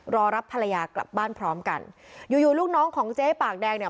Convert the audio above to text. รอรับภรรยากลับบ้านพร้อมกันอยู่อยู่ลูกน้องของเจ๊ปากแดงเนี่ย